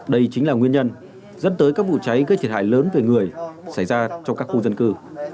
đây chính là nguyên nhân dẫn tới các vụ cháy gây thiệt hại lớn về người xảy ra trong các khu dân cư